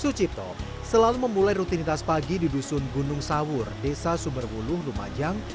sucipto selalu memulai rutinitas pagi di dusun gunung sawur desa sumberwuluh lumajang